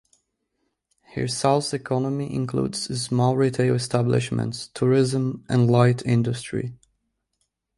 Hirsau's economy includes small retail establishments, tourism, and light industry.